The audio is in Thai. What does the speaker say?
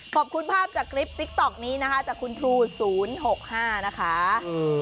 ขอบคุณภาพจากคลิปติ๊กต๊อกนี้นะคะจากคุณครู๐๖๕นะคะ